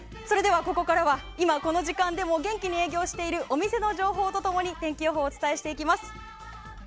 ここからは今この時間でも元気に営業しているお店の情報と共に天気予報をお伝えしていきます。